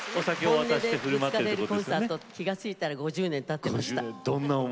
本音でぶつかれるコンサート気付いたら５０年たっていました。